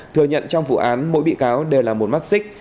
thừa nhận trong vụ án mỗi bị cáo đều là một mắt xích